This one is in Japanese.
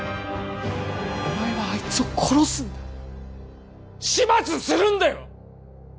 お前はあいつを殺すんだ始末するんだよ！